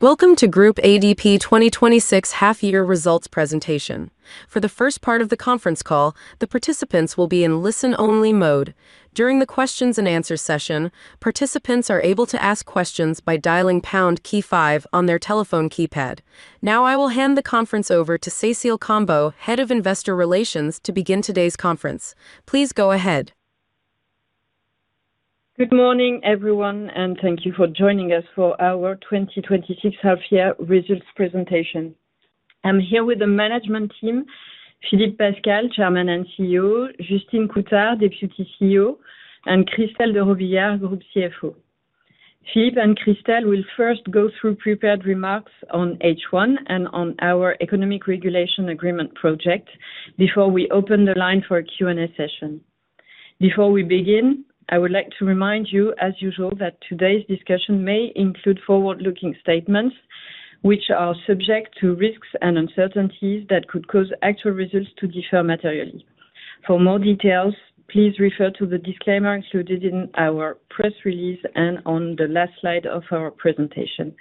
Welcome to Groupe ADP 2026 half-year results presentation. For the first part of the conference call, the participants will be in listen-only mode. During the questions and answers session, participants are able to ask questions by dialing pound key five on their telephone keypad. Now I will hand the conference over to Cécile Combeau, Head of Investor Relations, to begin today's conference. Please go ahead. Good morning, everyone, and thank you for joining us for our 2026 half-year results presentation. I am here with the management team, Philippe Pascal, Chairman and CEO, Justine Coutard, Deputy CEO, and Christelle de Robillard, Group CFO. Philippe and Christelle will first go through prepared remarks on H1 and on our economic regulation agreement project before we open the line for a Q&A session. Before we begin, I would like to remind you, as usual, that today's discussion may include forward-looking statements which are subject to risks and uncertainties that could cause actual results to differ materially. For more details, please refer to the disclaimer included in our press release and on the last slide of our presentation.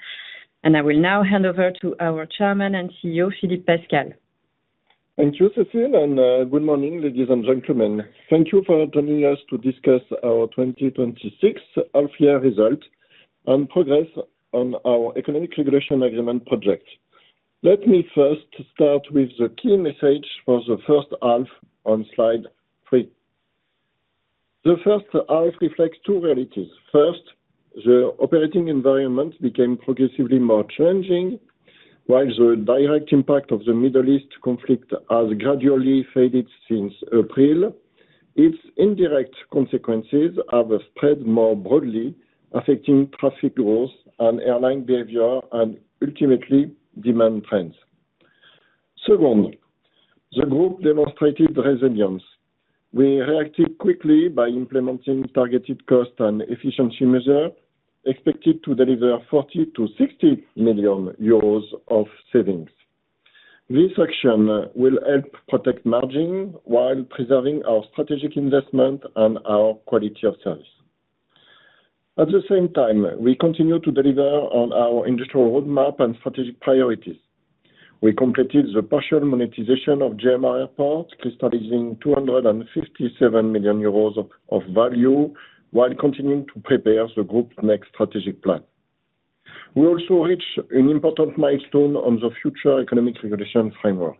I will now hand over to our Chairman and CEO, Philippe Pascal. Thank you, Cécile, and good morning, ladies and gentlemen. Thank you for joining us to discuss our 2026 half-year results and progress on our economic regulation agreement project. Let me first start with the key message for the H1 on slide three. The H1 reflects two realities. First, the operating environment became progressively more challenging. While the direct impact of the Middle East conflict has gradually faded since April, its indirect consequences have spread more broadly, affecting traffic growth and airline behavior, and ultimately, demand trends. Second, the group demonstrated resilience. We reacted quickly by implementing targeted cost and efficiency measure, expected to deliver 40 million-60 million euros of savings. This action will help protect margin while preserving our strategic investment and our quality of service. At the same time, we continue to deliver on our industrial roadmap and strategic priorities. We completed the partial monetization of GMR Airports, crystallizing 257 million euros of value, while continuing to prepare the group's next strategic plan. We also reached an important milestone on the future economic regulation framework,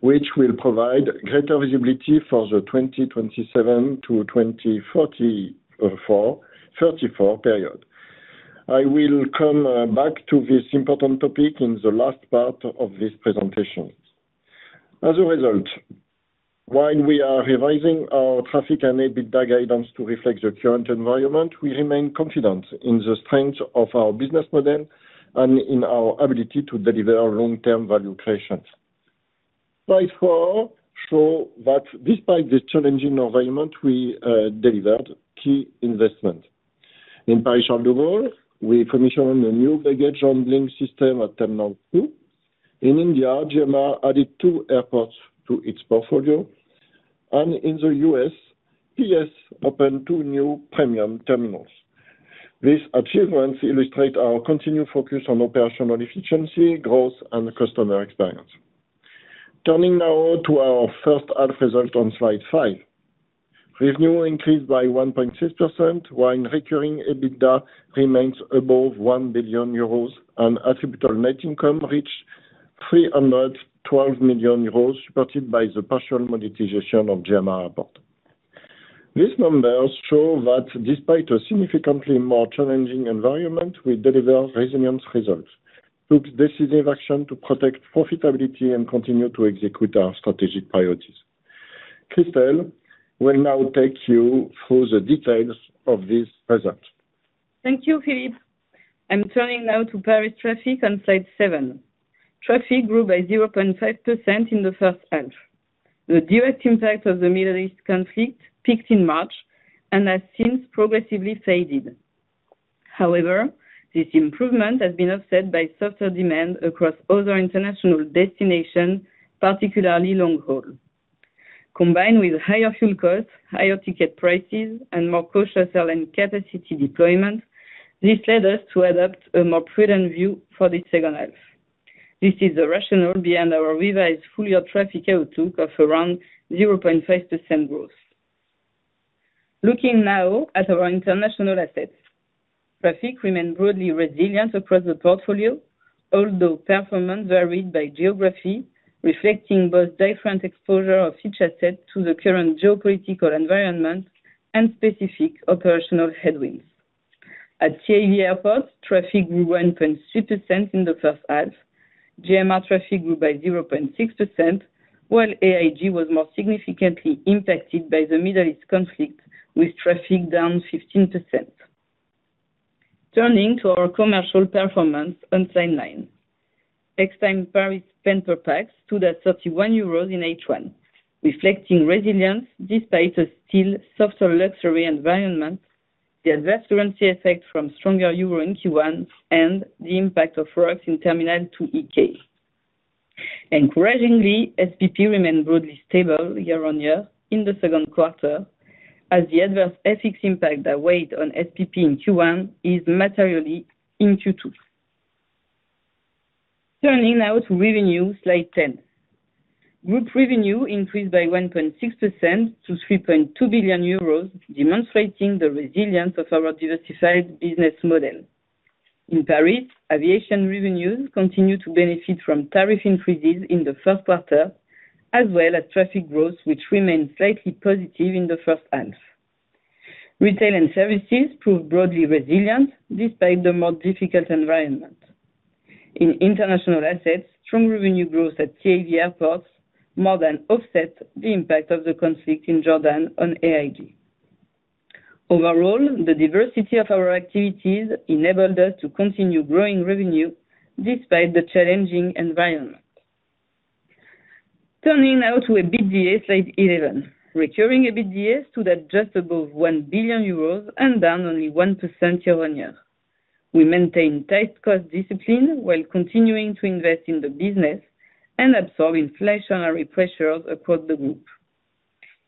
which will provide greater visibility for the 2027 to 2034 period. I will come back to this important topic in the last part of this presentation. As a result, while we are revising our traffic and EBITDA guidance to reflect the current environment, we remain confident in the strength of our business model and in our ability to deliver long-term value creation. Slide four show that despite this challenging environment, we delivered key investment. In Paris-Charles de Gaulle, we commissioned a new baggage handling system at Terminal two. In India, GMR added two airports to its portfolio. In the U.S., PS opened two new premium terminals. These achievements illustrate our continued focus on operational efficiency, growth, and customer experience. Turning now to our H1 result on slide five. Revenue increased by 1.6%, while recurring EBITDA remains above 1 billion euros, and attributable net income reached 312 million euros, supported by the partial monetization of GMR Airports. These numbers show that despite a significantly more challenging environment, we delivered resilient results through decisive action to protect profitability and continue to execute our strategic priorities. Christelle will now take you through the details of this result. Thank you, Philippe. I'm turning now to Paris traffic on slide seven. Traffic grew by 0.5% in the H1. however, the direct impact of the Middle East conflict peaked in March and has since progressively faded. This improvement has been offset by softer demand across other international destinations, particularly long-haul. Combined with higher fuel costs, higher ticket prices, and more cautious selling capacity deployment, this led us to adopt a more prudent view for the H2. This is the rationale behind our revised full-year traffic outlook of around 0.5% growth. Looking now at our international assets. Traffic remained broadly resilient across the portfolio, although performance varied by geography, reflecting both different exposure of each asset to the current geopolitical environment and specific operational headwinds. At TAV Airports, traffic grew 1.2% in the H1. GMR traffic grew by 0.6%, while AIG was more significantly impacted by the Middle East conflict, with traffic down 15%. Turning to our commercial performance on slide nine. Extime Paris spend per pax stood at 31 euros in H1, reflecting resilience despite a still softer luxury environment, the adverse currency effect from stronger euro in Q1, and the impact of works in Terminal 2E, Gates K. Encouragingly, SPP remained broadly stable year-on-year in the second quarter, as the adverse FX impact that weighed on SPP in Q1 eased materially in Q2. Turning now to revenue, slide 10. Group revenue increased by 1.6% to 3.2 billion euros, demonstrating the resilience of our diversified business model. In Paris, aviation revenues continue to benefit from tariff increases in the first quarter, as well as traffic growth, which remained slightly positive in the H1. Retail and services proved broadly resilient despite the more difficult environment. In international assets, strong revenue growth at TAV Airports more than offset the impact of the conflict in Jordan on AIG. Overall, the diversity of our activities enabled us to continue growing revenue despite the challenging environment. Turning now to EBITDA, slide 11. Recurring EBITDA stood at just above 1 billion euros and down only 1% year-on-year. We maintain tight cost discipline while continuing to invest in the business and absorb inflationary pressures across the group.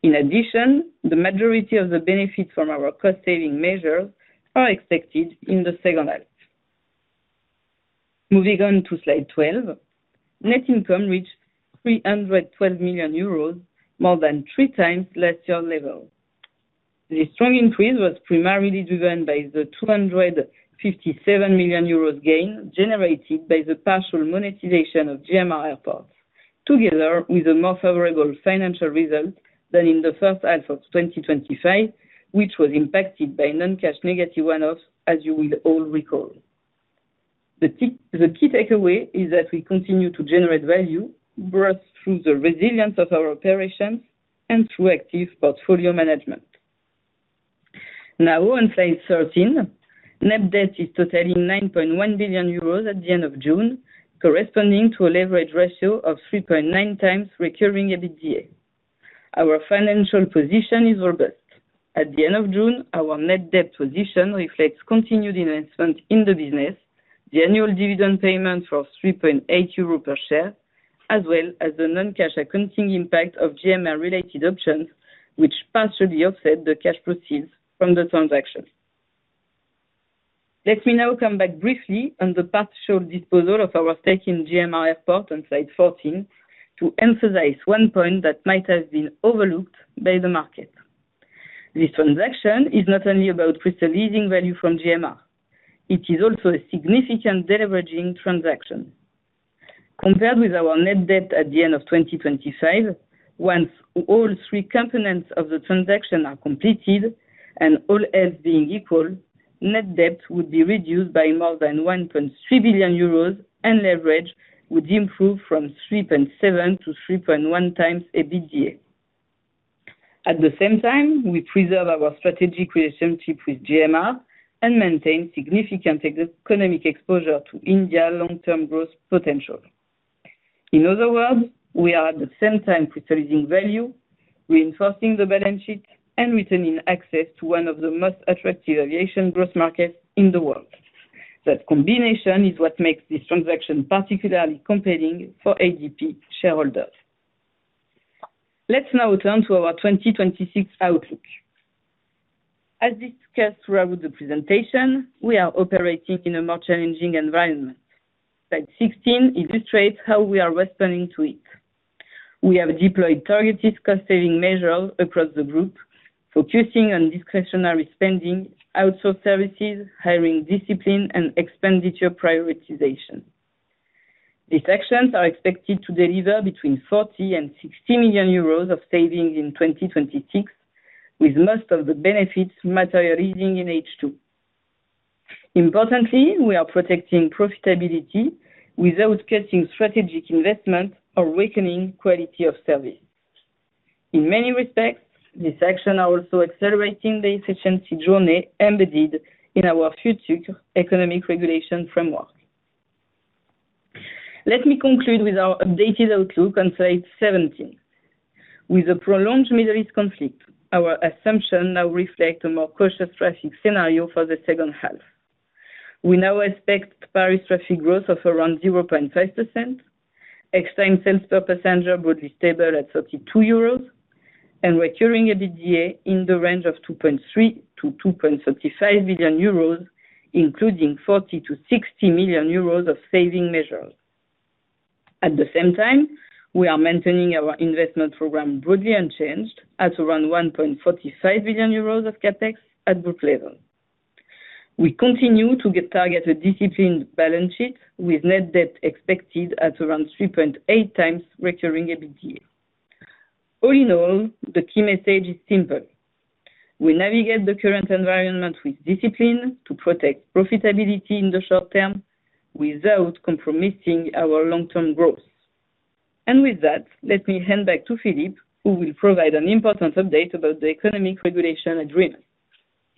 In addition, the majority of the benefits from our cost-saving measures are expected in the H2. Moving on to slide 12. Net income reached 312 million euros, more than three times last year's level. This strong increase was primarily driven by the 257 million euros gain generated by the partial monetization of GMR Airports, together with a more favorable financial result than in the H1 of 2025, which was impacted by non-cash negative one-offs, as you will all recall. The key takeaway is that we continue to generate value, both through the resilience of our operations and through active portfolio management. On slide 13, net debt is totaling 9.1 billion euros at the end of June, corresponding to a leverage ratio of 3.9 times recurring EBITDA. Our financial position is robust. At the end of June, our net debt position reflects continued investment in the business, the annual dividend payment for 3.8 euro per share, as well as the non-cash accounting impact of GMR-related options, which partially offset the cash proceeds from the transaction. Let me now come back briefly on the partial disposal of our stake in GMR Airport on slide 14 to emphasize one point that might have been overlooked by the market. This transaction is not only about crystallizing value from GMR, it is also a significant deleveraging transaction. Compared with our net debt at the end of 2025, once all three components of the transaction are completed, and all else being equal net debt would be reduced by more than 1.3 billion euros and leverage would improve from 3.7 to 3.1 times EBITDA. At the same time, we preserve our strategic relationship with GMR and maintain significant economic exposure to India long-term growth potential. In other words, we are at the same time crystallizing value, reinforcing the balance sheet, and retaining access to one of the most attractive aviation growth markets in the world. That combination is what makes this transaction particularly compelling for ADP shareholders. Let's now turn to our 2026 outlook. As discussed throughout the presentation, we are operating in a more challenging environment. Slide 16 illustrates how we are responding to it. We have deployed targeted cost-saving measures across the group, focusing on discretionary spending, outsourced services, hiring discipline, and expenditure prioritization. These actions are expected to deliver between 40 and 60 million euros of savings in 2026, with most of the benefits materializing in H2. Importantly, we are protecting profitability without cutting strategic investment or weakening quality of service. In many respects, these actions are also accelerating the efficiency journey embedded in our future economic regulation framework. Let me conclude with our updated outlook on slide 17. With a prolonged Middle East conflict, our assumption now reflects a more cautious traffic scenario for the H2. We now expect Paris traffic growth of around 0.5%, external sales per passenger broadly stable at 32 euros, and recurring EBITDA in the range of 2.3-2.35 billion euros, including 40-60 million euros of saving measures. At the same time, we are maintaining our investment program broadly unchanged at around 1.45 billion euros of CapEx at group level. We continue to target a disciplined balance sheet with net debt expected at around 3.8 times recurring EBITDA. All in all, the key message is simple. We navigate the current environment with discipline to protect profitability in the short term without compromising our long-term growth. With that, let me hand back to Philippe, who will provide an important update about the economic regulation agreement.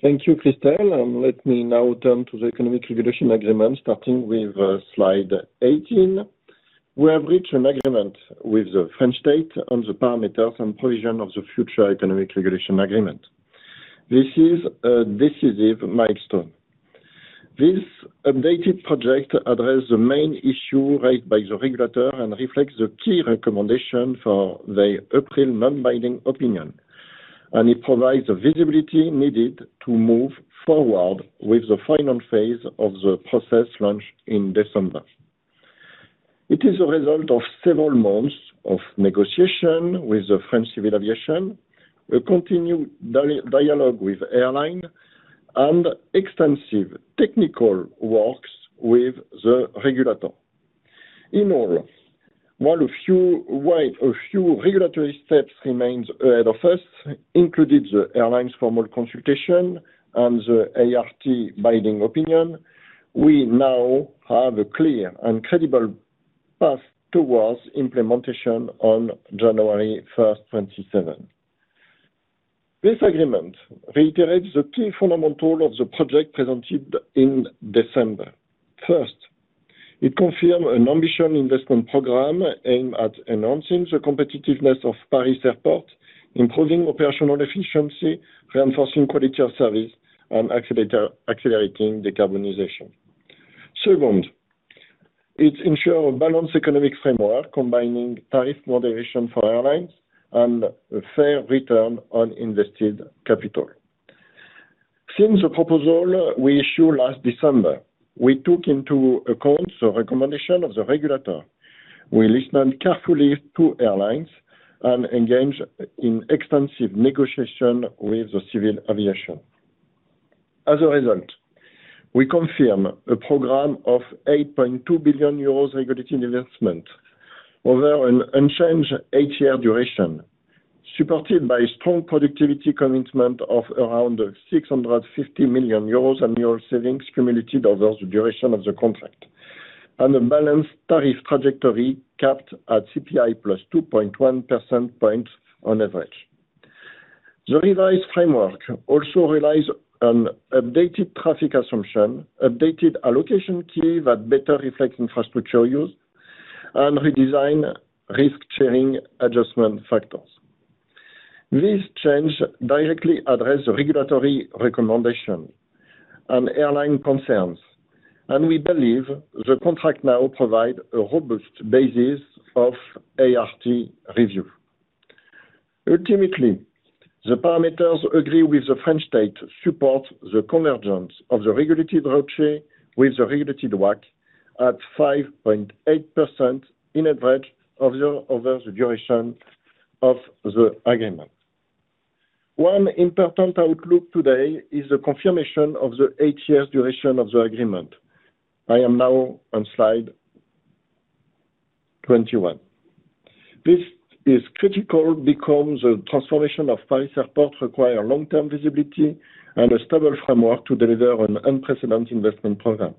Thank you, Christelle. Let me now turn to the economic regulation agreement, starting with slide 18. We have reached an agreement with the French state on the parameters and provision of the future economic regulation agreement. This is a decisive milestone. This updated project addresses the main issue raised by the regulator and reflects the key recommendation for the April non-binding opinion, and it provides the visibility needed to move forward with the final phase of the process launch in December. It is a result of several months of negotiation with the French civil aviation a continued dialogue with airline, and extensive technical works with the regulator. In all, while a few regulatory steps remains ahead of us, including the airlines' formal consultation and the ART binding opinion, we now have a clear and credible path towards implementation on January 1st, 2027. This agreement reiterates the key fundamentals of the project presented in December. First, it confirms an ambition investment program aimed at enhancing the competitiveness of Paris Airport, improving operational efficiency, reinforcing quality of service, and accelerating decarbonization. Second, it ensures a balanced economic framework combining tariff moderation for airlines and a fair return on invested capital. Since the proposal we issued last December, we took into account the recommendation of the regulator. We listened carefully to airlines and engaged in extensive negotiation with the civil aviation. As a result, we confirm a program of 8.2 billion euros regulated investment over an unchanged eight-year duration, supported by strong productivity commitment of around 650 million euros annual savings accumulated over the duration of the contract, and a balanced tariff trajectory capped at CPI +2.1% points on average. The revised framework also relies on updated traffic assumption, updated allocation key that better reflects infrastructure use, and redesigned risk-sharing adjustment factors. This change directly address regulatory recommendation and airline concerns, and we believe the contract now provide a robust basis of ART review. Ultimately, the parameters agree with the French state support the convergence of the regulated ROCE with the regulated WACC at 5.8% on average over the duration of the agreement. One important outlook today is the confirmation of the eight years duration of the agreement. I am now on slide 21. This is critical because the transformation of Paris Airport require long-term visibility and a stable framework to deliver an unprecedented investment program.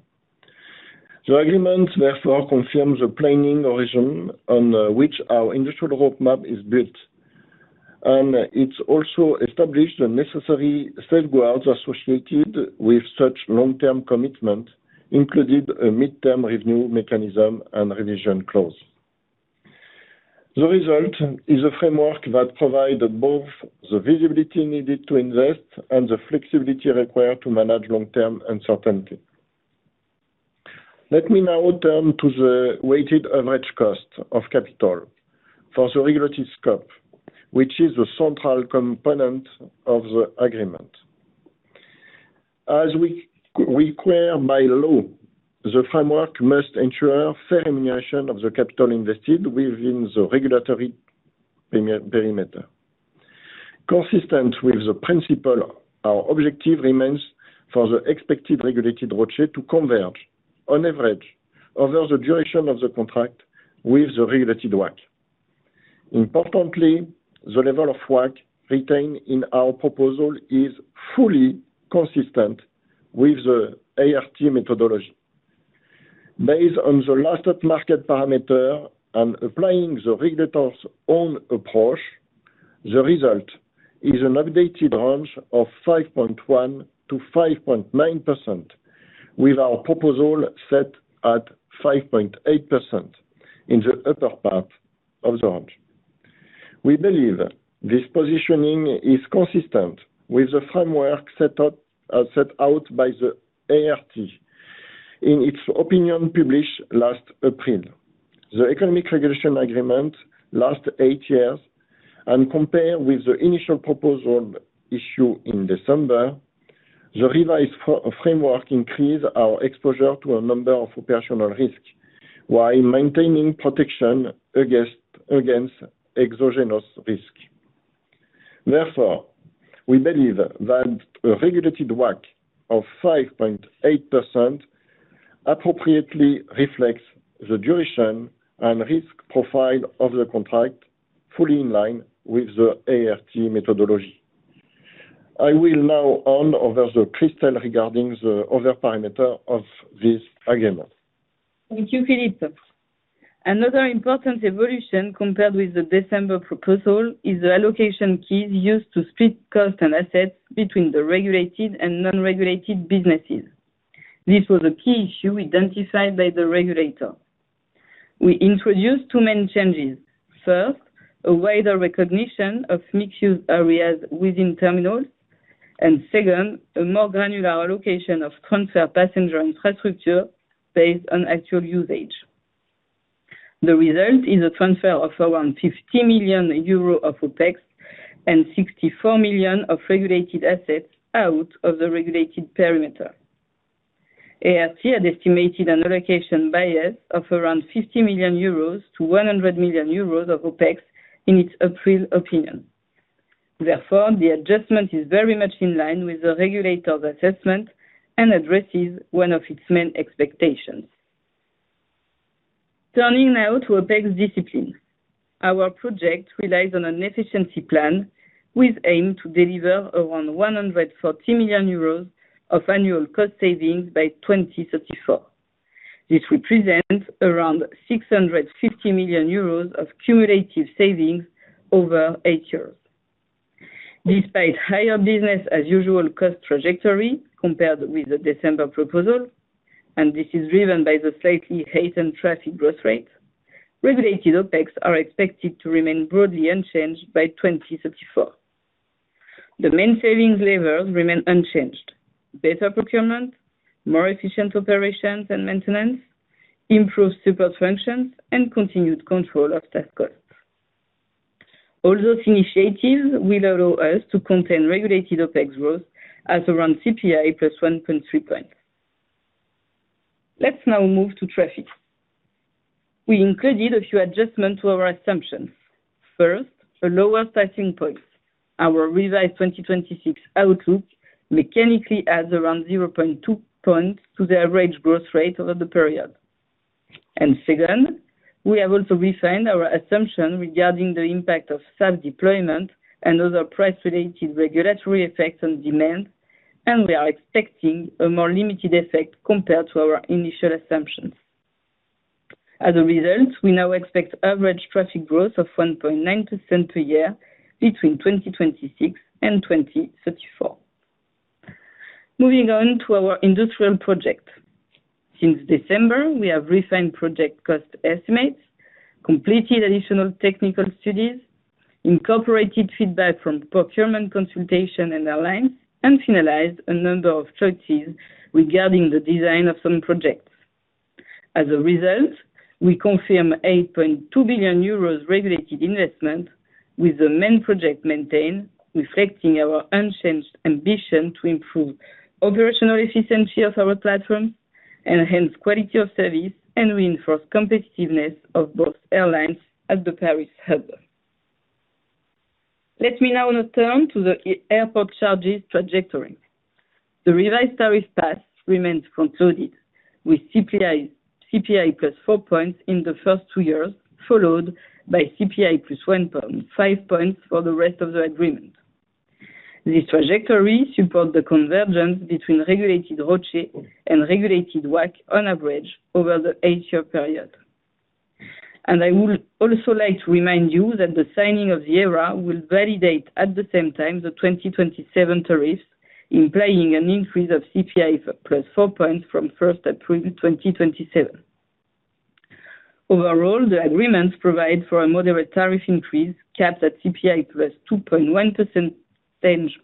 The agreement therefore confirms the planning horizon on which our industrial roadmap is built, and it also established the necessary safeguards associated with such long-term commitment, including a midterm review mechanism and revision clause. The result is a framework that provide both the visibility needed to invest and the flexibility required to manage long-term uncertainty. Let me now turn to the weighted average cost of capital for the regulatory scope, which is the central component of the agreement. As required by law, the framework must ensure fair remuneration of the capital invested within the regulatory perimeter. Consistent with the principle, our objective remains for the expected regulated ROCE to converge on average over the duration of the contract with the regulated WACC. Importantly, the level of WACC retained in our proposal is fully consistent with the ART methodology. Based on the latest market parameter and applying the regulator's own approach, the result is an updated range of 5.1%-5.9%, with our proposal set at 5.8% in the upper part of the range. We believe this positioning is consistent with the framework set out by the ART in its opinion published last April. The economic regulation agreement last eight years and compare with the initial proposal issued in December, the revised framework increase our exposure to a number of operational risks while maintaining protection against exogenous risk. Therefore, we believe that a regulated WACC of 5.8% appropriately reflects the duration and risk profile of the contract fully in line with the ART methodology. I will now hand over to Christelle regarding the other parameter of this agreement. Thank you, Philippe. Another important evolution compared with the December proposal is the allocation keys used to split cost and assets between the regulated and non-regulated businesses. This was a key issue identified by the regulator. We introduce two main changes. First, a wider recognition of mixed-use areas within terminals and second a more granular allocation of transfer passenger infrastructure based on actual usage. The result is a transfer of around 50 million euro of OpEx and 64 million of regulated assets out of the regulated perimeter. ART had estimated an allocation bias of around 50 million-100 million euros of OpEx in its April opinion. Therefore, the adjustment is very much in line with the regulator's assessment and addresses one of its main expectations. Turning now to OpEx discipline. Our project relies on an efficiency plan with aim to deliver around 140 million euros of annual cost savings by 2034. This represents around 650 million euros of cumulative savings over eight years. Despite higher business-as-usual cost trajectory compared with the December proposal, this is driven by the slightly heightened traffic growth rate, regulated OpEx are expected to remain broadly unchanged by 2034. The main savings levers remain unchanged. Better procurement, more efficient operations and maintenance, improved support functions, and continued control of staff costs. All those initiatives will allow us to contain regulated OpEx growth at around CPI +1.3% points. Let's now move to traffic. We included a few adjustments to our assumptions. First, a lower starting point. Our revised 2026 outlook mechanically adds around 0.2% points to the average growth rate over the period. Second, we have also refined our assumption regarding the impact of sub-deployment and other price-related regulatory effects on demand, and we are expecting a more limited effect compared to our initial assumptions. As a result, we now expect average traffic growth of 1.9% per year between 2026 and 2034. Moving on to our industrial project. Since December, we have refined project cost estimates, completed additional technical studies, incorporated feedback from procurement consultation and airlines, and finalized a number of choices regarding the design of some projects. As a result, we confirm 8.2 billion euros regulated investment with the main project maintained, reflecting our unchanged ambition to improve operational efficiency of our platform, enhance quality of service and reinforce competitiveness of both airlines at the Paris hub. Let me now turn to the airport charges trajectory. The revised tariff path remains concluded, with CPI +4% points in the first two years, followed by CPI +1.5% points for the rest of the agreement. This trajectory supports the convergence between regulated ROCE and regulated WACC on average over the eight year period. I would also like to remind you that the signing of the ERA will validate at the same time the 2027 tariffs, implying an increase of CPI +4% points from 1st April 2027. Overall, the agreements provide for a moderate tariff increase capped at CPI +2.1%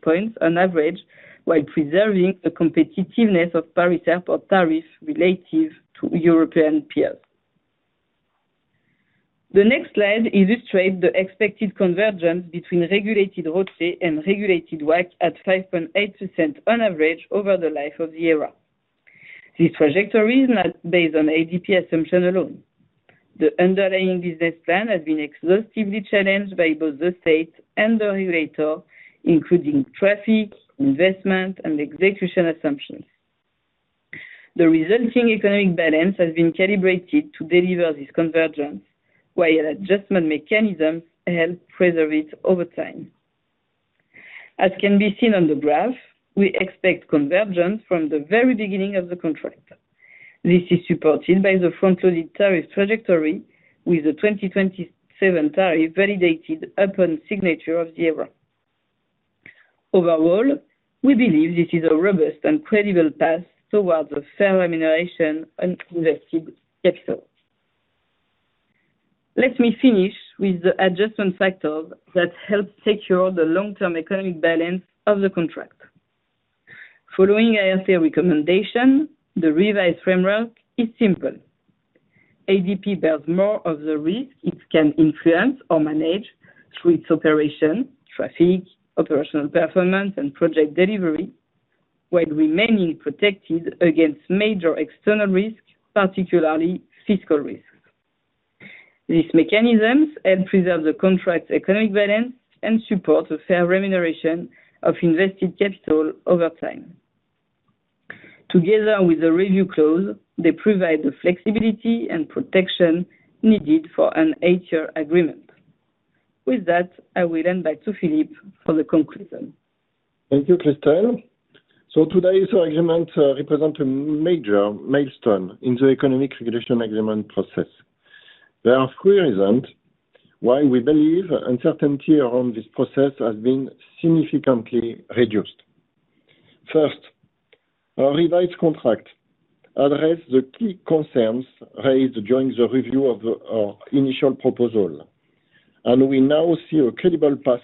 points on average, while preserving the competitiveness of Paris Airport tariffs relative to European peers. The next slide illustrates the expected convergence between regulated ROCE and regulated WACC at 5.8% on average over the life of the ERA. This trajectory is not based on ADP assumption alone. The underlying business plan has been exhaustively challenged by both the state and the regulator, including traffic, investment, and execution assumptions. The resulting economic balance has been calibrated to deliver this convergence, while adjustment mechanisms help preserve it over time. As can be seen on the graph, we expect convergence from the very beginning of the contract. This is supported by the front-loaded tariff trajectory with the 2027 tariff validated upon signature of the ERA. Overall, we believe this is a robust and credible path towards a fair remuneration on invested capital. Let me finish with the adjustment factors that help secure the long-term economic balance of the contract. Following IFC recommendation, the revised framework is simple. ADP bears more of the risk it can influence or manage through its operation, traffic, operational performance, and project delivery, while remaining protected against major external risks, particularly fiscal risks. These mechanisms help preserve the contract's economic balance and support the fair remuneration of invested capital over time. Together with the review clause, they provide the flexibility and protection needed for an eight year agreement. With that, I will hand back to Philippe for the conclusion. Thank you, Christelle. Today's agreement represent a major milestone in the economic regulation agreement process. There are three reasons why we believe uncertainty around this process has been significantly reduced. First, our revised contract address the key concerns raised during the review of our initial proposal, and we now see a credible path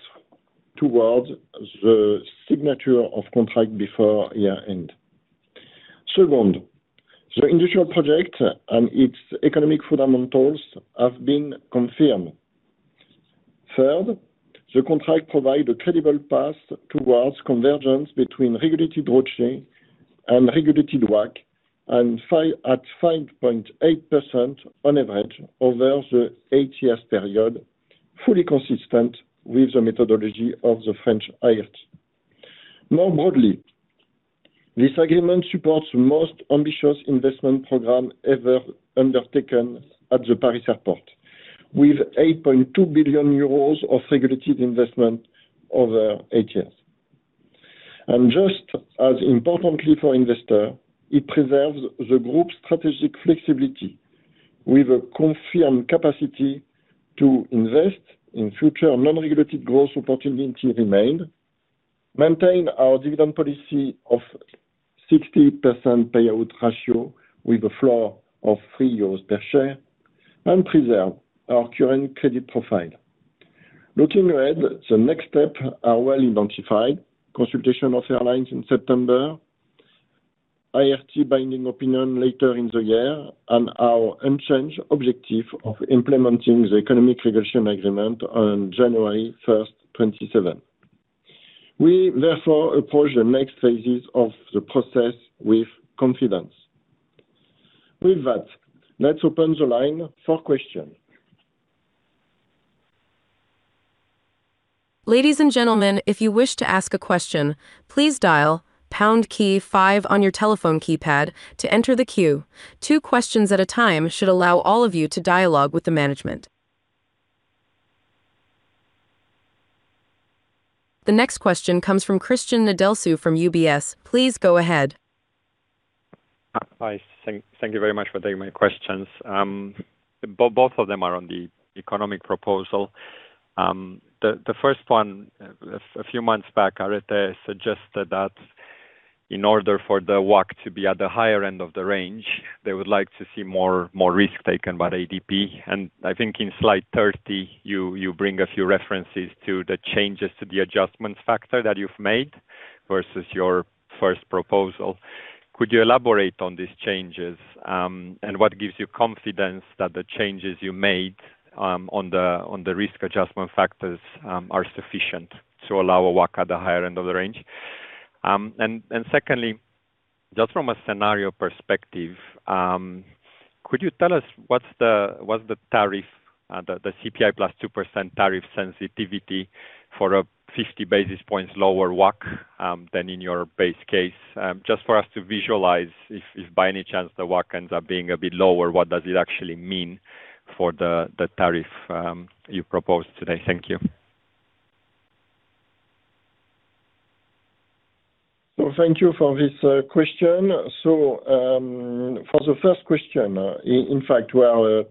towards the signature of contract before year-end. Second, the initial project and its economic fundamentals have been confirmed. Third, the contract provide a credible path towards convergence between regulated growth rate and regulated WACC at 5.8% on average over the eight years period, fully consistent with the methodology of the French ART. More broadly, this agreement supports the most ambitious investment program ever undertaken at the Paris Airport, with 8.2 billion euros of regulated investment over eight years. Just as importantly for investors, it preserves the group's strategic flexibility with a confirmed capacity to invest in future non-regulated growth opportunities, maintain our dividend policy of 60% payout ratio with a flow of 3 euros per share, and preserve our current credit profile. Looking ahead, the next steps are well-identified. Consultation of airlines in September, ART binding opinion later in the year and our unchanged objective of implementing the economic regulation agreement on January 1, 2027. We therefore approach the next phases of the process with confidence. With that, let us open the line for questions. Ladies and gentlemen, if you wish to ask a question, please dial five on your telephone keypad to enter the queue. Two questions at a time should allow all of you to dialogue with the management. The next question comes from Cristian Nedelcu from UBS. Please go ahead. Hi. Thank you very much for taking my questions. Both of them are on the economic proposal. The first one a few months back, ART suggested that in order for the WACC to be at the higher end of the range, they would like to see more risk taken by ADP. I think in slide 30, you bring a few references to the changes to the adjustment factor that you've made versus your first proposal. Could you elaborate on these changes? What gives you confidence that the changes you made, on the risk adjustment factors, are sufficient to allow a WACC at the higher end of the range? Secondly, just from a scenario perspective, could you tell us what's the tariff, the CPI +2% tariff sensitivity for a 50 basis points lower WACC, than in your base case? Just for us to visualize if by any chance the WACC ends up being a bit lower, what does it actually mean for the tariff you proposed today? Thank you. Thank you for this question. For the first question. In fact, we are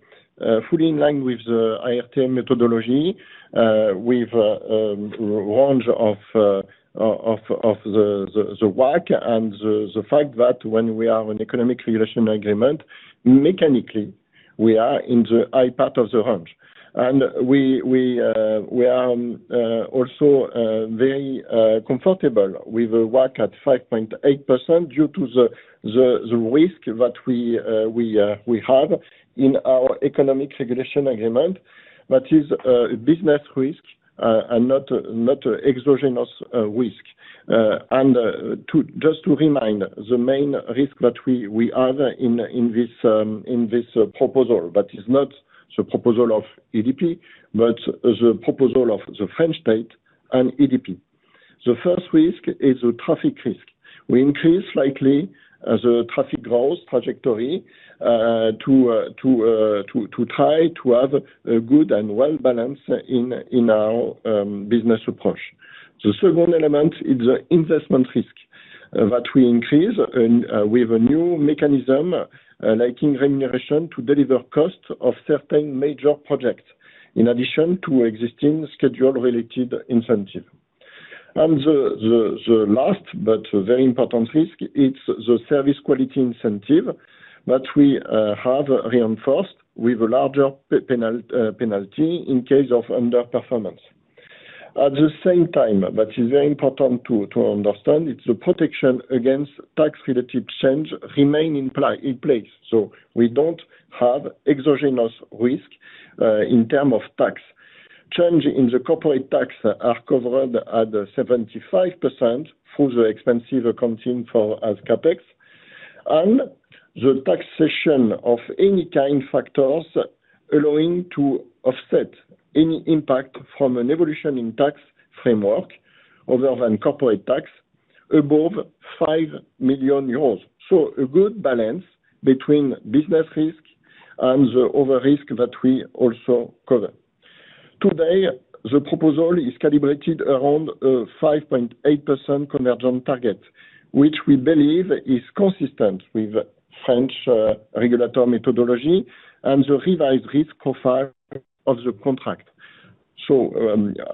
fully in line with the ART methodology, with a range of the WACC and the fact that when we have an economic regulation agreement, mechanically. We are in the high part of the range. We are also very comfortable with a WACC at 5.8% due to the risk that we have in our economic regulation agreement. That is a business risk, not exogenous risk. Just to remind, the main risk that we have in this proposal, that is not the proposal of ADP, but the proposal of the French state and ADP. The first risk is a traffic risk. We increase likely the traffic growth trajectory to try to have a good and well-balanced in our business approach. The second element is the investment risk that we increase, and we have a new mechanism, linking remuneration to deliver cost of certain major projects in addition to existing schedule-related incentive. The last but very important risk, it is the service quality incentive that we have reinforced with a larger penalty in case of underperformance. At the same time, that is very important to understand, it is the protection against tax-related change remain in place. We don't have exogenous risk in terms of tax. Change in the corporate tax are covered at 75% for the expenses accounted for as CapEx. The taxation of any kind factors allowing to offset any impact from an evolution in tax framework other than corporate tax above 5 million euros. A good balance between business risk and the other risk that we also cover. Today, the proposal is calibrated around a 5.8% conversion target, which we believe is consistent with French regulatory methodology and the revised risk profile of the contract.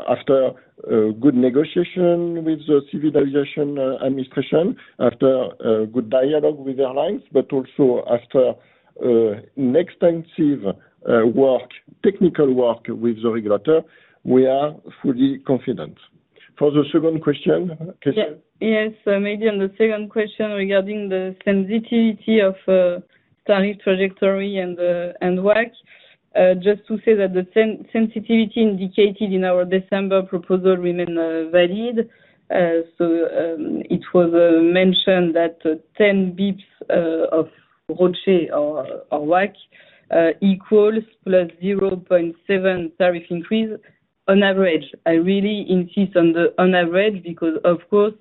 After a good negotiation with the Civil Aviation Administration, after a good dialogue with airlines, but also after extensive work, technical work with the regulator, we are fully confident. For the second question, Christelle? Yes. Maybe on the second question regarding the sensitivity of tariff trajectory and WACC, just to say that the sensitivity indicated in our December proposal remains valid. It was mentioned that 10 basis points of ROCE or WACC equals +0.7% tariff increase on average. I really insist on average because, of course,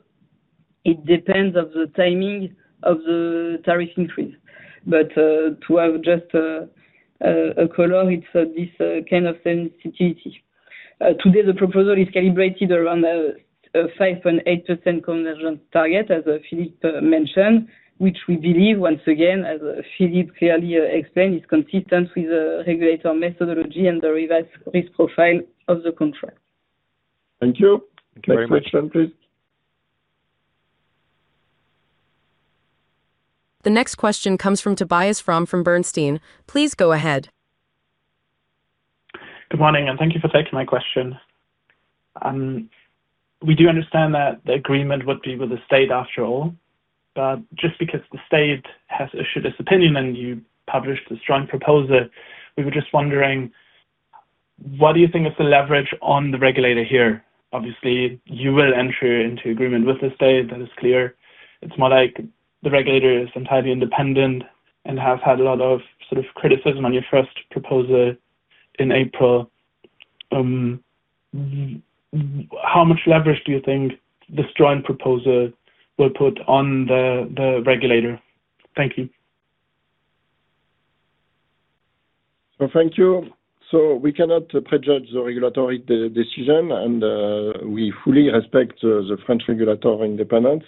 it depends on the timing of the tariff increase. To have just a color, it is this kind of sensitivity. Today, the proposal is calibrated around a 5.8% convergence target, as Philippe mentioned, which we believe once again, as Philippe clearly explained, is consistent with the regulatory methodology and the revised risk profile of the contract. Thank you. Next question, please. Thank you very much. The next question comes from Tobias Fromme from Bernstein. Please go ahead. Good morning. Thank you for taking my question. We do understand that the agreement would be with the state, after all. Just because the state has issued its opinion and you published a strong proposal, we were just wondering, what do you think is the leverage on the regulator here? Obviously, you will enter into agreement with the state that is clear. It's more like the regulator is entirely independent and has had a lot of sort of criticism on your first proposal in April. How much leverage do you think the strong proposal will put on the regulator? Thank you. Thank you. We cannot prejudge the regulatory decision, and we fully respect the French regulatory independence.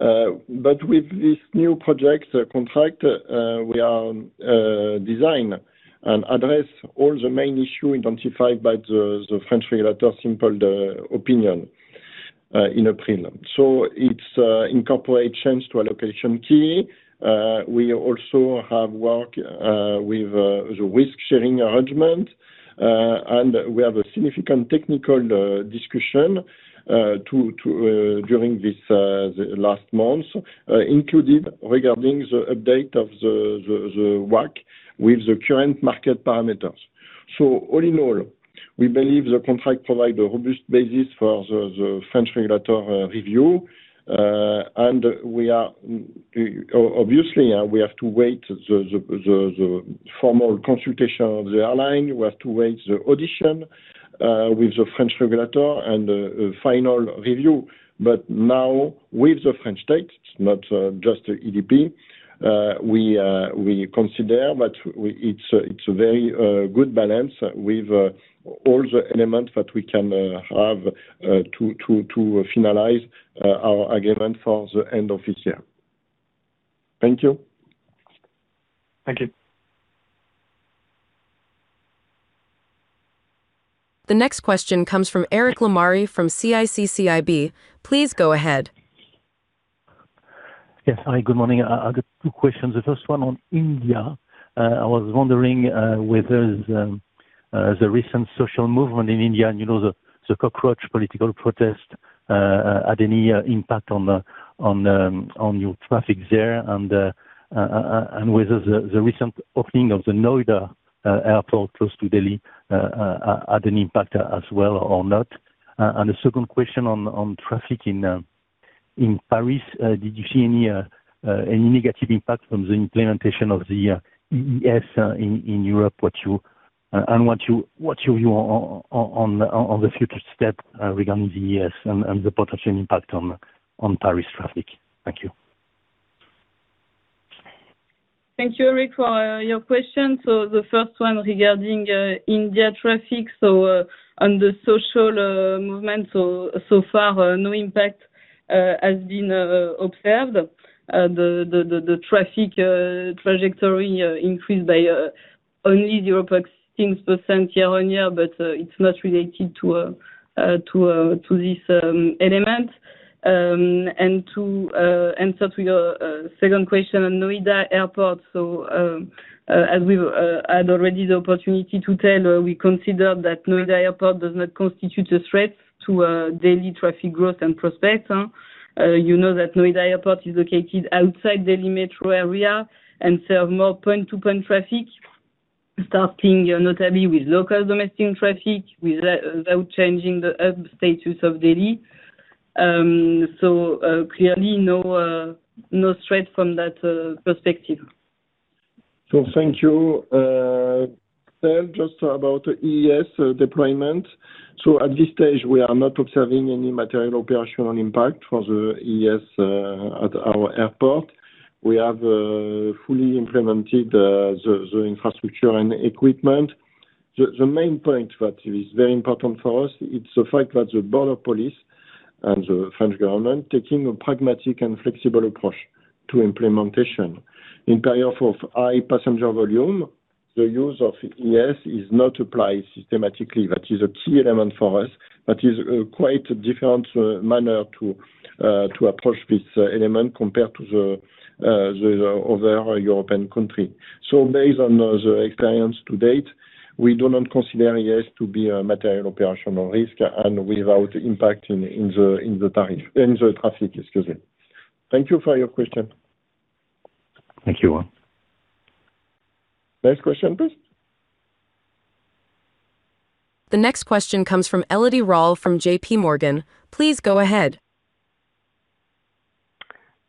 With this new project and contract, we design and address all the main issue identified by the French regulator simple opinion in a prelim. It incorporates change to allocation key. We also have worked with the risk-sharing arrangement, and we have a significant technical discussion during these last months, included regarding the update of the WACC with the current market parameters. All in all, we believe the contract provide a robust basis for the French regulatory review. Obviously, we have to wait the formal consultation of the airline. We have to wait the audition with the French regulator and the final review. With the French state, it is not just ADP. We consider that it is a very good balance with all the elements that we can have to finalize our agreement for the end of this year. Thank you. Thank you. The next question comes from Eric Lemarié from CIC CIB Please go ahead. Yes. Hi, good morning. I have got two questions. The first one on India. I was wondering whether the recent social movement in India, and the Cockroach Political Protest, had any impact on your traffic there, and whether the recent opening of the Noida Airport close to Delhi had an impact as well or not. The second question on traffic in Paris, did you see any negative impact from the implementation of the EES in Europe, and what is your view on the future step regarding the EES and the potential impact on Paris traffic? Thank you. Thank you, Eric for your question. The first one regarding India traffic. On the social movement, so far, no impact has been observed. The traffic trajectory increased by only 0.6% year-on-year, it's not related to this element. To answer to your second question on Noida Airport. As we had already the opportunity to tell, we consider that Noida Airport does not constitute a threat to Delhi traffic growth and prospects. You know that Noida Airport is located outside Delhi metro area and serve more point-to-point traffic, starting notably with local domestic traffic, without changing the hub status of Delhi. Clearly, no threat from that perspective. Thank you, Christelle, just about EES deployment. At this stage, we are not observing any material operational impact for the EES at our airport. We have fully implemented the infrastructure and equipment. The main point that is very important for us, it's the fact that the Border Police And the French government taking a pragmatic and flexible approach to implementation. In period of high passenger volume, the use of EES is not applied systematically. That is a key element for us, that is quite a different manner to approach this element compared to the other European country. Based on the experience to date, we do not consider EES to be a material operational risk and without impacting in the traffic. Excuse me. Thank you for your question. Thank you. Next question, please. The next question comes from Elodie Rall from JPMorgan. Please go ahead.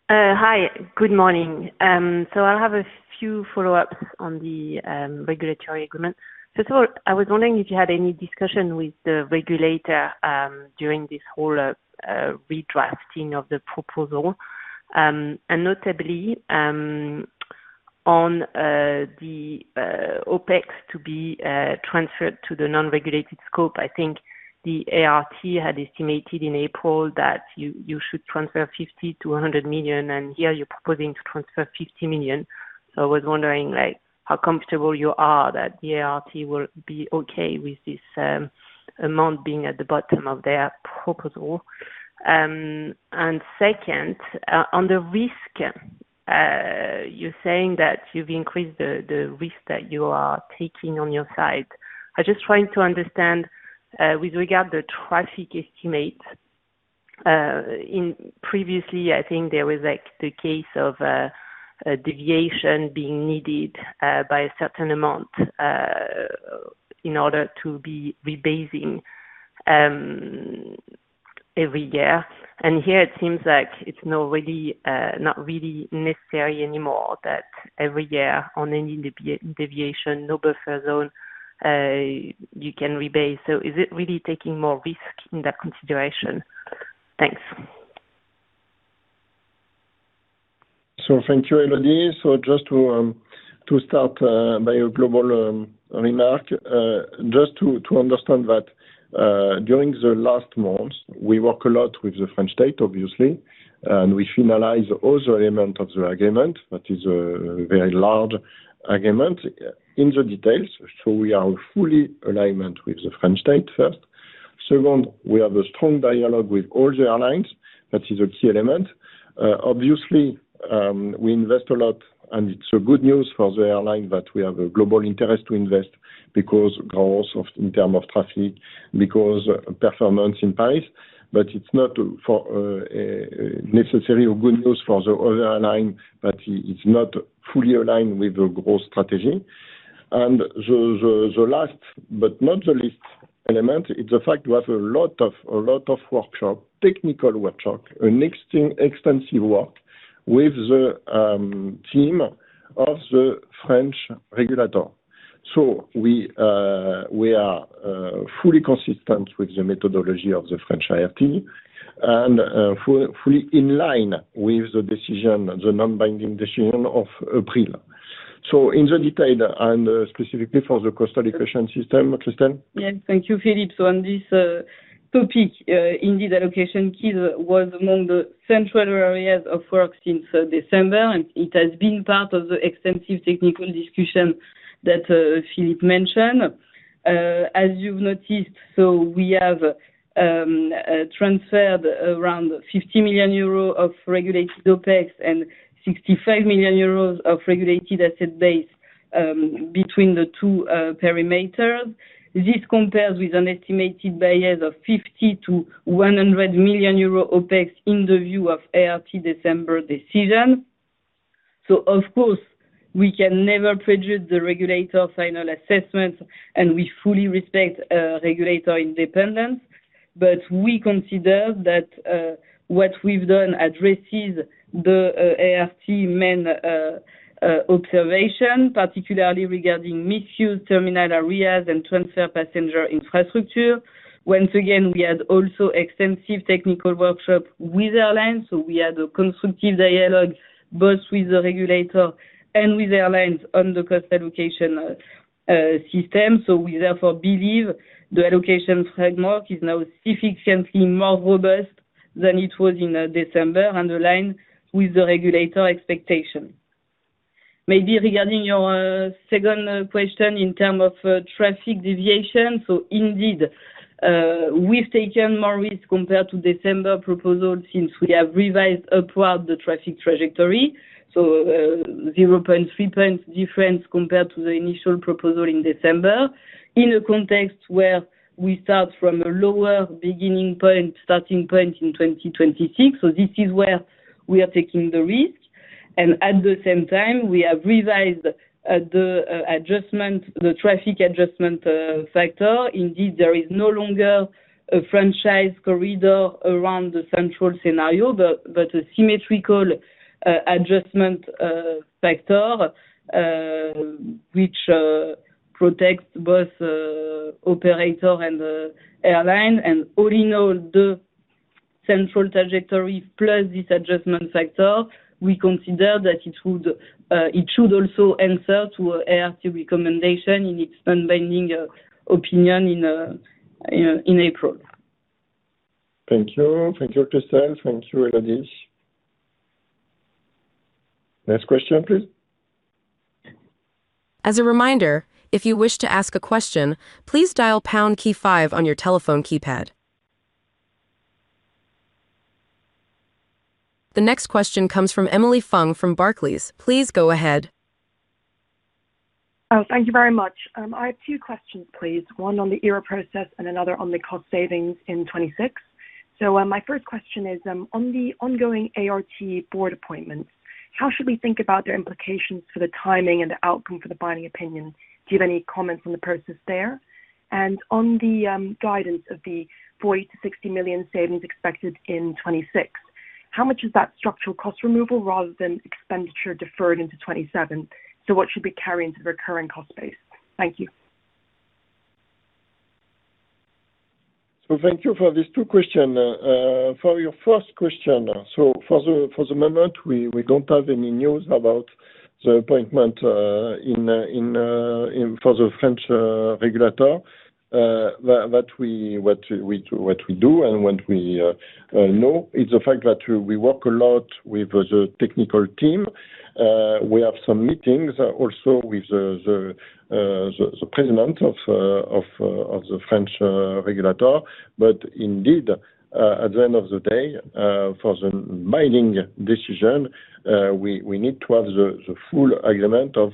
Hi. Good morning. I have a few follow-ups on the regulatory agreement. First of all, I was wondering if you had any discussion with the regulator during this whole redrafting of the proposal, notably, on the OpEx to be transferred to the non-regulated scope. I think the ART had estimated in April that you should transfer 50 million-100 million, and here you're proposing to transfer 50 million. I was wondering how comfortable you are that the ART will be okay with this amount being at the bottom of their proposal. Second, on the risk, you're saying that you've increased the risk that you are taking on your side. I'm just trying to understand, with regard to traffic estimate. Previously, I think there was the case of a deviation being needed by a certain amount in order to be rebasing every year. Here it seems like it's not really necessary anymore, that every year on any deviation no buffer zone, you can rebase. Is it really taking more risk in that consideration? Thanks. Thank you, Elodie. Just to start by a global remark, just to understand that during the last months, we work a lot with the French State. Obviously, we finalize all the element of the agreement. That is a very large agreement in the details. We are fully alignment with the French State first. Second, we have a strong dialogue with all the airlines, that is a key element. Obviously, we invest a lot, it's a good news for the airline that we have a global interest to invest because growth in term of traffic, because performance in Paris, it's not for necessary or good news for the other airline, that is not fully aligned with the growth strategy. The last but not the least element is the fact we have a lot of workshop, technical workshop, an extensive work with the team of the French regulator. We are fully consistent with the methodology of the French ART and fully in line with the decision, the non-binding decision of April. In the detail and specifically for the cost allocation system, Christelle? Yes. Thank you, Philippe. On this topic, indeed, allocation keys was among the central areas of work since December, and it has been part of the extensive technical discussion that Philippe mentioned. As you've noticed, we have transferred around 50 million euros of regulated OpEx and 65 million euros of regulated asset base between the two perimeters. This compares with an estimated bias of 50 million to 100 million euro OpEx in the view of ART December decision. Of course, we can never prejudice the regulator final assessment, and we fully respect regulator independence. We consider that what we've done addresses the ART main observation, particularly regarding misuse terminal areas and transfer passenger infrastructure. Once again, we had also extensive technical workshop with airlines, so we had a consultative dialogue both with the regulator and with the airlines on the cost allocation system. We therefore believe the allocation framework is now significantly more robust than it was in December and aligned with the regulator expectation. Maybe regarding your second question in term of traffic deviation. Indeed, we've taken more risk compared to December proposal since we have revised upward the traffic trajectory. 0.3 points difference compared to the initial proposal in December, in a context where we start from a lower beginning point, starting point in 2026. This is where we are taking the risk, and at the same time, we have revised the traffic adjustment factor. Indeed, there is no longer a franchise corridor around the central scenario, but a symmetrical adjustment factor, which protects both operator and the airline, and only now the central trajectory plus this adjustment factor. We consider that it should also answer to ART recommendation in its non-binding opinion in April. Thank you. Thank you, Christelle. Thank you, Elodie. Next question, please. As a reminder, if you wish to ask a question, please dial pound key five on your telephone keypad. The next question comes from Emilie Fung from Barclays. Please go ahead. Thank you very much. I have two questions, please. One on the ERA process and another on the cost savings in 2026. My first question is on the ongoing ART board appointments, how should we think about their implications for the timing and the outcome for the binding opinion? Do you have any comments on the process there? On the guidance of the 40 million-60 million savings expected in 2026, how much is that structural cost removal rather than expenditure deferred into 2027? What should we carry into the recurring cost base? Thank you. Thank you for these two questions. For your first question for the moment, we don't have any news about the appointment for the French regulator. What we do and what we know is the fact that we work a lot with the technical team. We have some meetings also with the president of the French regulator. Indeed at the end of the day, for the binding decision, we need to have the full agreement of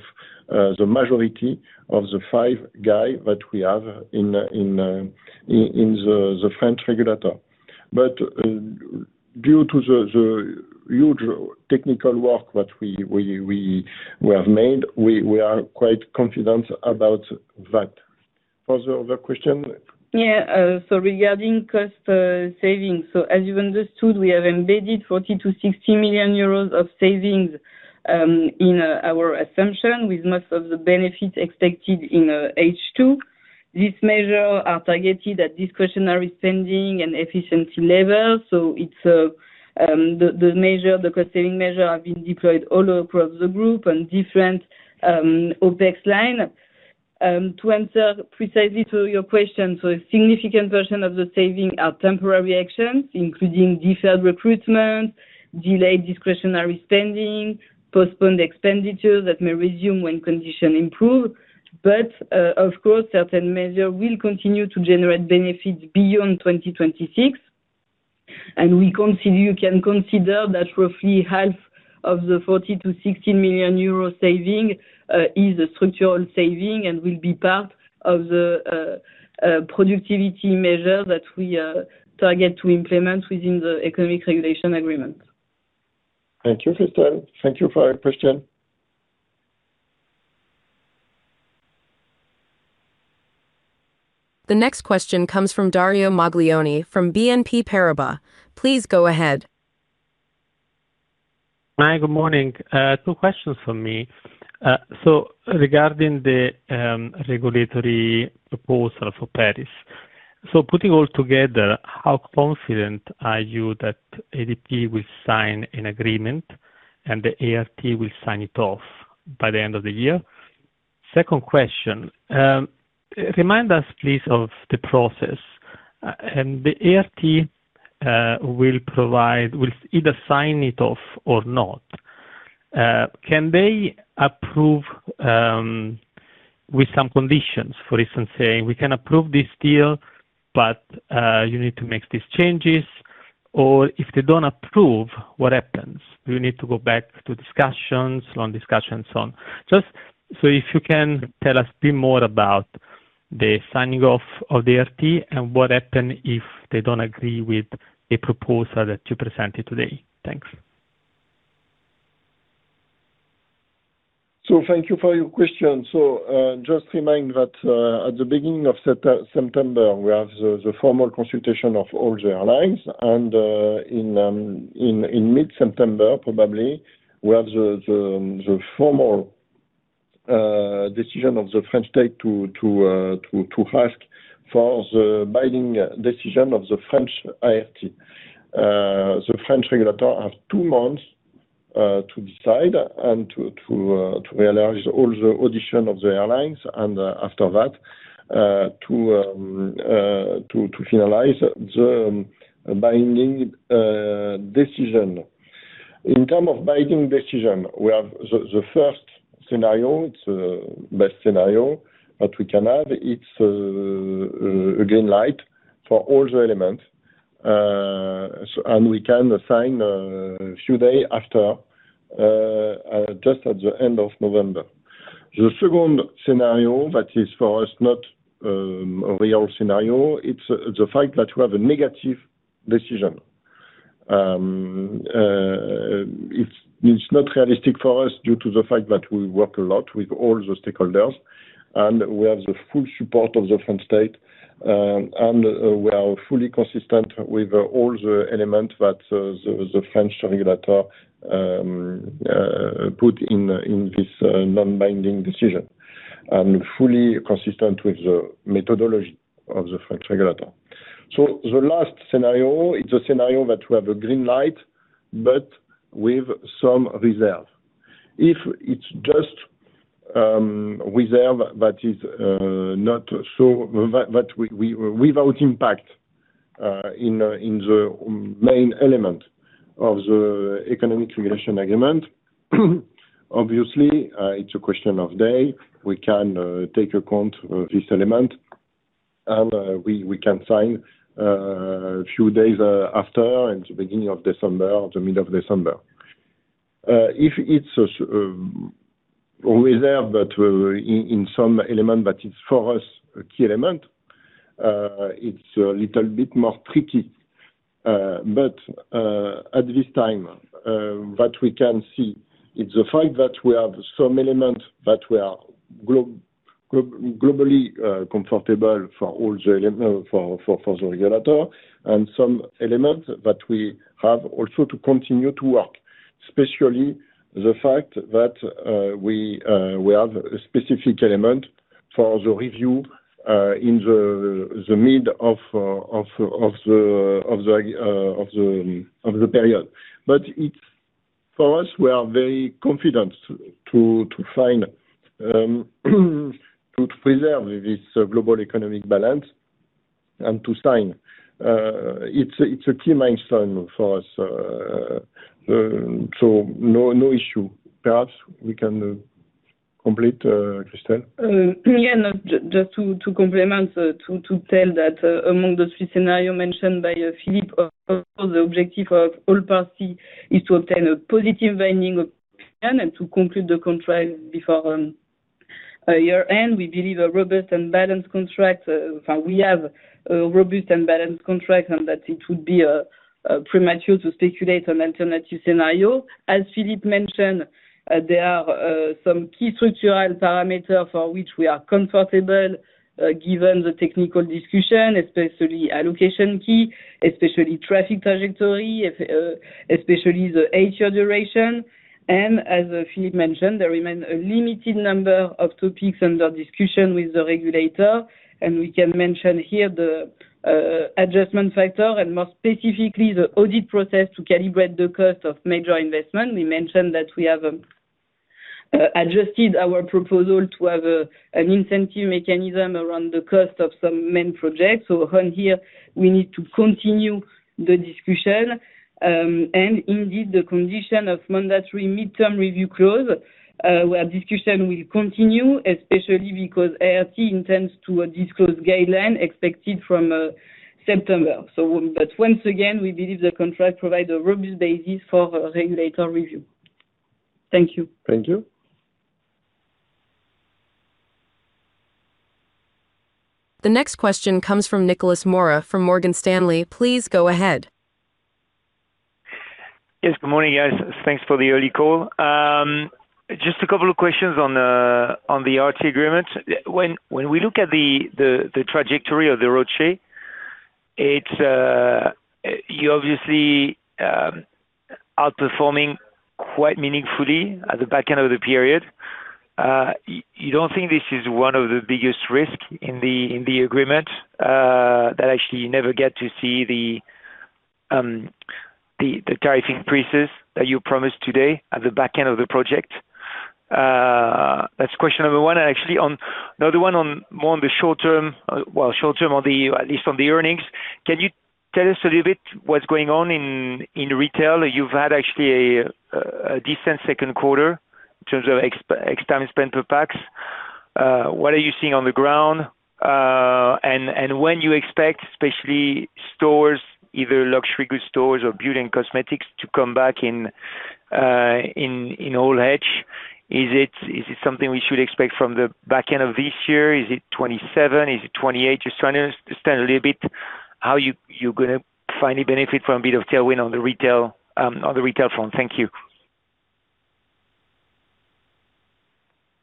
the majority of the five guys that we have in the French regulator. Due to the huge technical work that we have made, we are quite confident about that. For the other question. Regarding cost savings. As you understood, we have embedded 40 million-60 million euros of savings in our assumption, with most of the benefit expected in H2. These measures are targeted at discretionary spending and efficiency levels. The cost saving measures have been deployed all across the group and different OpEx lines. To answer precisely to your question a significant portion of the savings are temporary actions, including deferred recruitment, delayed discretionary spending, postponed expenditure that may resume when conditions improve. Of course, certain measures will continue to generate benefits beyond 2026. You can consider that roughly half of the 40 million-60 million euro savings is a structural saving and will be part of the productivity measures that we target to implement within the economic regulation agreement. Thank you, Christelle. Thank you for your question. The next question comes from Dario Maglione from BNP Paribas. Please go ahead. Hi, good morning. Two questions from me. Regarding the regulatory proposal for Paris, putting all together, how confident are you that ADP will sign an agreement and the ART will sign it off by the end of the year? Second question, remind us please of the process. The ART will either sign it off or not. Can they approve with some conditions? For instance, saying, "We can approve this deal but you need to make these changes." If they don't approve, what happens? Do you need to go back to discussions, long discussions on? If you can tell us a bit more about the signing off of the ART and what happen if they don't agree with a proposal that you presented today. Thanks. Thank you for your question. Just remind that, at the beginning of September, we have the formal consultation of all the airlines and, in mid-September probably, we have the formal decision of the French state to ask for the binding decision of the French ART. The French regulator have two months to decide and to analyze all the audition of the airlines and after that, to finalize the binding decision. In term of binding decision, we have the first scenario, it's best scenario that we can have. It's a green light for all the elements, and we can sign a few day after, just at the end of November. The second scenario, that is for us, not a real scenario. It's the fact that we have a negative decision. It's not realistic for us due to the fact that we work a lot with all the stakeholders, and we have the full support of the French state, and we are fully consistent with all the elements that the French regulator put in this non-binding decision, and fully consistent with the methodology of the French regulator. The last scenario, it's a scenario that we have a green light but with some reserve. If it's just reserve that is without impact in the main element of the economic regulation agreement. Obviously, it's a question of day. We can take account of this element, and we can sign a few days after in the beginning of December or the mid of December. If it's a reserve that in some element that is for us a key element, it's a little bit more tricky. At this time, what we can see, it's the fact that we have some elements that we are globally comfortable for the regulator and some elements that we have also to continue to work, especially the fact that we have a specific element for the review in the mid of the period. For us, we are very confident to preserve this global economic balance and to sign. It's a key milestone for us. No issue. Perhaps we can complete, Christelle. Just to complement, to tell that among the three scenario mentioned by Philippe. Overall, the objective of all party is to obtain a positive binding opinion and to conclude the contract before year-end. We believe a robust and balanced contract. In fact, we have a robust and balanced contract and that it would be premature to speculate on alternative scenario. As Philippe mentioned, there are some key structural parameter for which we are comfortable given the technical discussion, especially allocation key, especially traffic trajectory, especially the ERA duration. As Philippe mentioned, there remain a limited number of topics under discussion with the regulator, and we can mention here the adjustment factor and more specifically, the audit process to calibrate the cost of major investment. We mentioned that we have adjusted our proposal to have an incentive mechanism around the cost of some main projects. On here, we need to continue the discussion, and indeed, the condition of mandatory mid-term review clause, where discussion will continue. Especially because ART intends to disclose guideline expected from September. Once again, we believe the contract provide a robust basis for regulator review. Thank you. Thank you. The next question comes from Nicolas Mora from Morgan Stanley. Please go ahead. Yes, good morning, guys. Thanks for the early call. Just a couple of questions on the ART agreement. When we look at the trajectory of the road share, you are obviously outperforming quite meaningfully at the back end of the period. You do not think this is one of the biggest risk in the agreement, that actually you never get to see the tariff increases that you promised today at the back end of the project? That is question number one. Actually another one more on the short term, well, short term at least on the earnings. Can you tell us a little bit what is going on in retail? You have had actually a decent second quarter in terms of external spend per pax. What are you seeing on the ground? When you expect, especially stores, either luxury goods stores or beauty and cosmetics to come back in all edge is it something we should expect from the back end of this year? Is it 2027? Is it 2028? Just trying to understand a little bit how you are going to finally benefit from a bit of tailwind on the retail front. Thank you.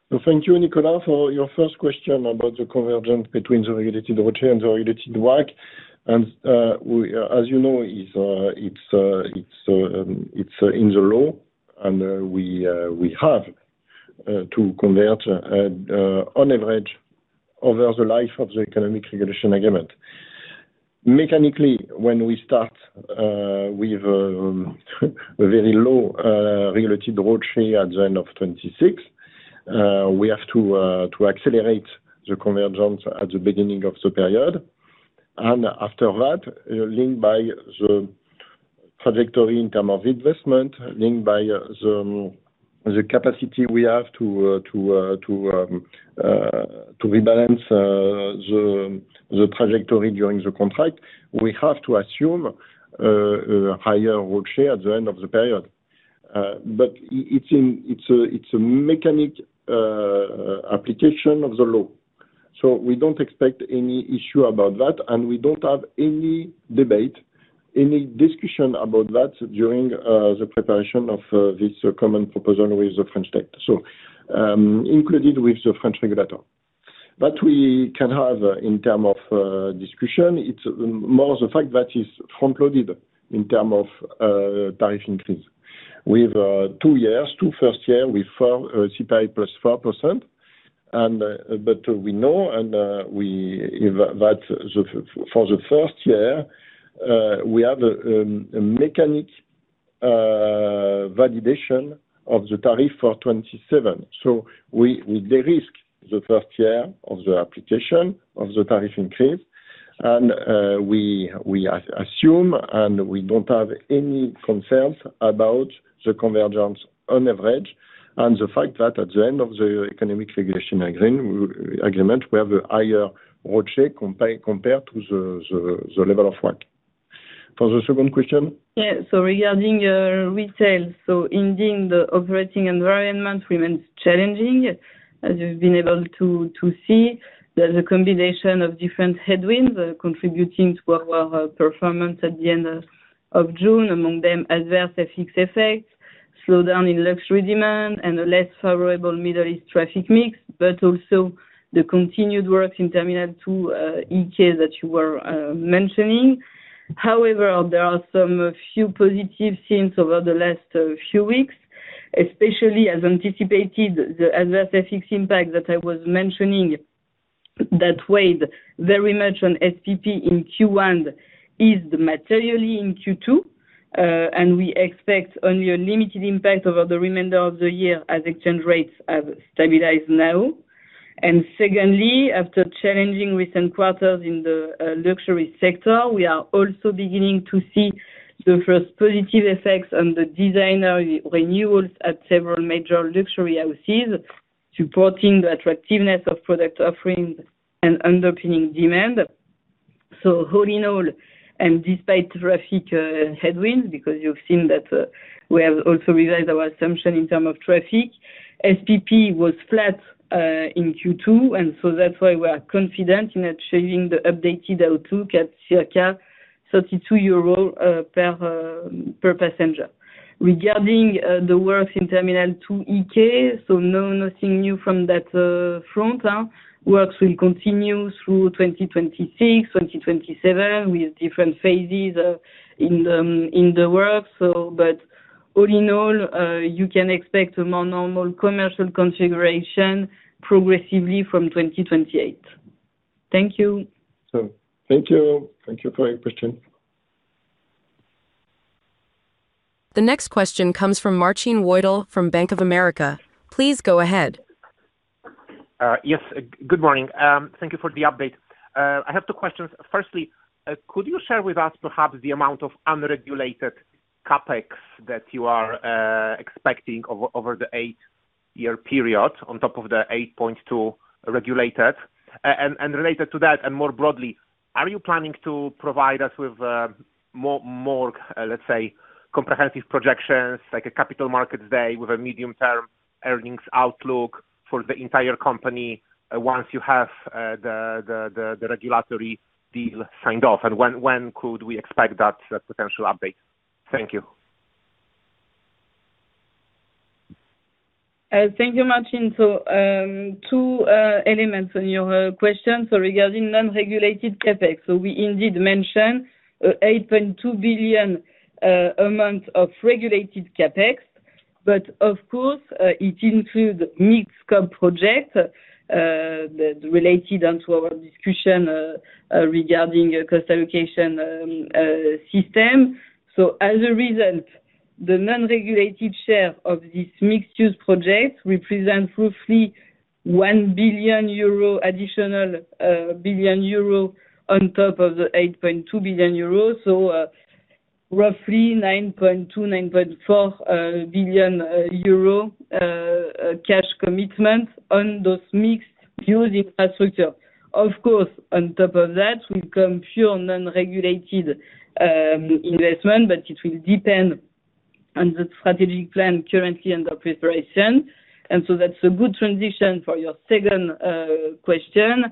Thank you, Nicolas, for your first question about the convergence between the regulated ROCE and the regulated WACC. As you know, it's in the law, and we have to convert on average over the life of the economic regulation agreement. Mechanically, when we start with a very low regulated ROCE at the end of 2026, we have to accelerate the convergence at the beginning of the period. After that, linked by the trajectory in terms of investment, linked by the capacity we have to rebalance the trajectory during the contract, we have to assume a higher ROCE at the end of the period. It's a mechanical application of the law. We don't expect any issue about that, and we don't have any debate, any discussion about that during the preparation of this common proposal with the French state. Included with the French regulator, what we can have in terms of discussion, it's more the fact that it's front-loaded in terms of tariff increase. We have two years. Two first year with CPI +4%. We know that for the first year, we have a mechanical validation of the tariff for 2027. We de-risk the first year of the application of the tariff increase. We assume, and we don't have any concerns about the convergence on average, and the fact that at the end of the economic regulation agreement, we have a higher ROCE compared to the level of WACC. For the second question. Regarding retail. Indeed, the operating environment remains challenging. As you've been able to see, there's a combination of different headwinds contributing to our performance at the end of June. Among them adverse FX effects, slowdown in luxury demand, and a less favorable Middle East traffic mix but also the continued works in Terminal 2E, K that you were mentioning. However, there are some few positive signs over the last few weeks. Especially as anticipated, the adverse FX impact that I was mentioning that weighed very much on SPP in Q1 eased materially in Q2. We expect only a limited impact over the remainder of the year as exchange rates have stabilized now. Secondly, after challenging recent quarters in the luxury sector, we are also beginning to see the first positive effects on the designer renewals at several major luxury houses, supporting the attractiveness of product offerings and underpinning demand. All in all, and despite traffic headwinds, because you've seen that we have also revised our assumption in terms of traffic, SPP was flat in Q2, that's why we are confident in achieving the updated outlook at circa 32 euros per passenger. Regarding the works in Terminal 2E, K, no. Nothing new from that front. Works will continue through 2026, 2027 with different phases in the work. All in all, you can expect a more normal commercial configuration progressively from 2028. Thank you. Thank you. Thank you for your question. The next question comes from Marcin Wojtal from Bank of America. Please go ahead. Yes. Good morning. Thank you for the update. I have two questions. Firstly, could you share with us perhaps the amount of unregulated CapEx that you are expecting over the eight-year period on top of the 8.2 regulated? Related to that, and more broadly, are you planning to provide us with more, let's say, comprehensive projections, like a capital market day with a medium-term earnings outlook for the entire company once you have the regulatory deal signed off? When could we expect that potential update? Thank you. Thank you, Marcin. Two elements on your question. Regarding non-regulated CapEx. We indeed mentioned 8.2 billion amount of regulated CapEx, but of course, it includes mixed scope project related onto our discussion regarding cost allocation system. As a result, the non-regulated share of this mixed-use project represents roughly 1 billion euro, additional 1 billion euro on top of the eur8.2 billion. Roughly 9.2 billion euro-EUR9.4 billion cash commitment on those mixed-use infrastructure. Of course, on top of that will come pure non-regulated investment, but it will depend on the strategic plan currently under preparation. That's a good transition for your second question.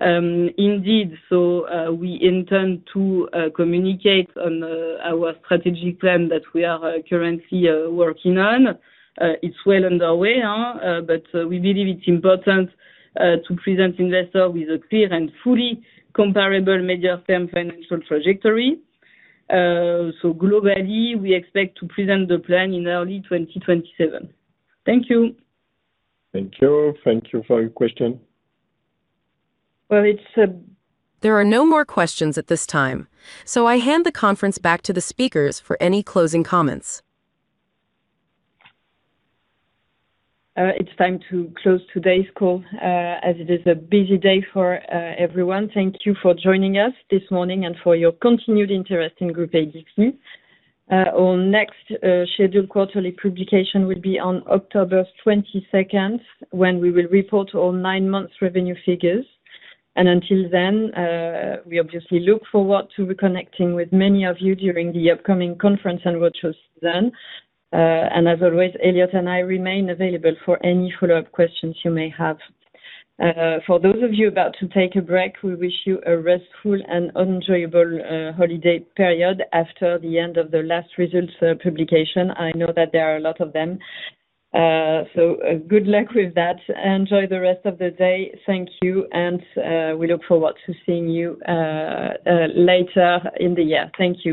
Indeed, we intend to communicate on our strategic plan that we are currently working on. It's well underway, but we believe it's important to present investors with a clear and fully comparable medium-term financial trajectory. Globally, we expect to present the plan in early 2027. Thank you. Thank you. Thank you for your question. There are no more questions at this time. I hand the conference back to the speakers for any closing comments. It's time to close today's call, as it is a busy day for everyone. Thank you for joining us this morning and for your continued interest in Groupe ADP. Our next scheduled quarterly publication will be on October 22nd, when we will report our nine month revenue figures. Until then, we obviously look forward to reconnecting with many of you during the upcoming conference and virtual season. As always, Elliott and I remain available for any follow-up questions you may have. For those of you about to take a break, we wish you a restful and enjoyable holiday period after the end of the last results publication. I know that there are a lot of them. Good luck with that. Enjoy the rest of the day. Thank you, and we look forward to seeing you later in the year. Thank you.